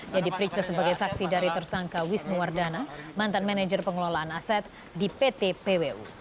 yang diperiksa sebagai saksi dari tersangka wisnuwardana mantan manajer pengelolaan aset di pt pwu